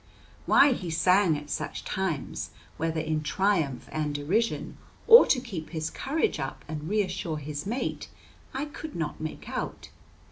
Why he sang at such times, whether in triumph and derision, or to keep his courage up and reassure his mate, I could not make out.